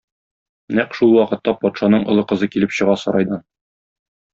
Нәкъ шул вакытта патшаның олы кызы килеп чыга сарайдан.